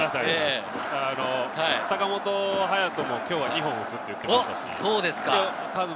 坂本勇人も今日は２本打つって言ってましたし。